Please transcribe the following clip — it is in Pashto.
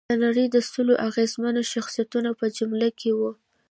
د نړۍ د سلو اغېزمنو شخصیتونو په جمله کې وه.